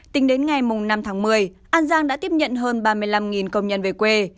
tính đến ngày năm tháng một mươi an giang đã tiếp nhận hơn ba mươi năm công nhân về quê